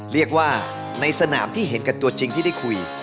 เรียกว่าในสนามที่เห็นกันตัวจริงที่ได้คุย